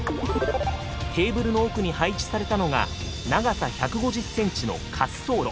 テーブルの奥に配置されたのが長さ１５０センチの滑走路。